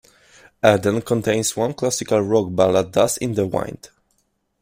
"Eden" contains one classical rock ballad, "Dust in the Wind".